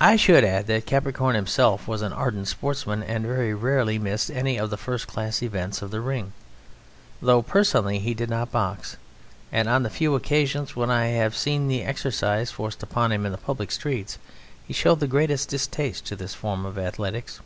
I should add that Capricorn himself was an ardent sportsman and very rarely missed any of the first class events of the ring, though personally he did not box, and on the few occasions when I have seen the exercise forced upon him in the public streets he showed the greatest distaste to this form of athletics.